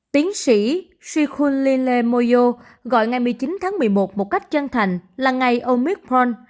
tiến sĩ shikunlele moyo gọi ngày một mươi chín tháng một mươi một một cách chân thành là ngày omicron